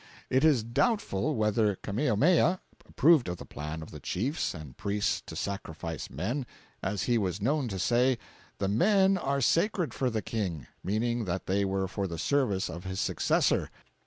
It is doubtful whether Kamehameha approved of the plan of the chiefs and priests to sacrifice men, as he was known to say, 'The men are sacred for the King;' meaning that they were for the service of his successor.